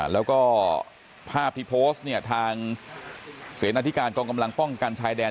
แล้วก็ภาพที่โพสต์เนี่ยทางเสนาธิการกองกำลังป้องกันชายแดน